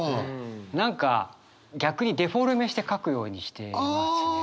何か逆にデフォルメして書くようにしてますね。